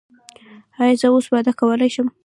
ایا زه اوس واده کولی شم؟